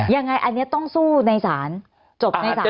ยังไงอันนี้ต้องสู้ในศาลจบในศาล